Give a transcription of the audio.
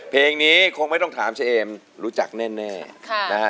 เพลงนี้คงไม่ต้องถามเชมรู้จักแน่นะฮะ